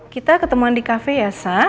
kita ketemuan di kafe ya sa